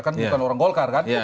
kan bukan orang golkar kan